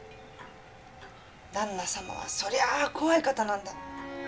旦那様はそりゃあ怖い方なんだ。